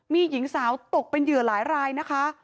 มีหญิงสาวตกเป็นเหยื่อหลายรายนะคะ